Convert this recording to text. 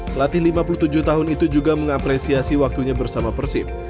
pelatih lima puluh tujuh tahun itu juga mengapresiasi waktunya bersama persib